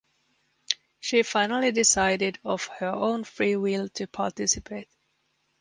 She finally decided of her own free will to participate.